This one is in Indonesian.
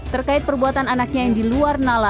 terkait perbuatan anaknya yang diluar nalar